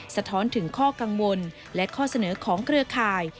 สะท้อนถึงข้อกังวลและข้อเสนอของเครือข่าย